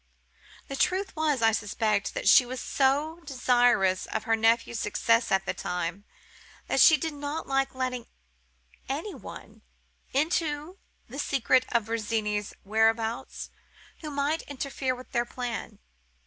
The truth was, I suspect, that she was so desirous of her nephews success by this time, that she did not like letting any one into the secret of Virginie's whereabouts who might interfere with their plan.